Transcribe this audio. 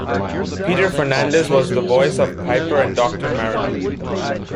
Peter Fernandez was the voice of Piper and Doctor Mariner.